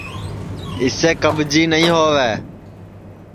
اِسے کٻجی نائی ہؤے